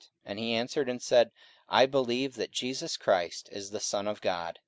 And he answered and said, I believe that Jesus Christ is the Son of God.